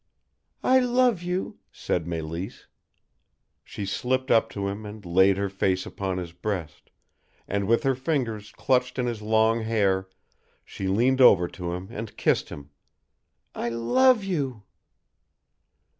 "I love you," said Mélisse. She slipped up to him and laid her face upon his breast, and with her fingers clutched in his long hair she leaned over to him and kissed him. "I love you!"